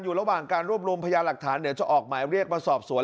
อยู่ระหว่างการรวบรวมพยาหลักฐานเดี๋ยวจะออกหมายเรียกมาสอบสวน